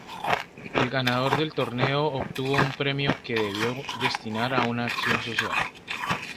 El ganador del torneo obtuvo un premio que debió destinar a una acción social.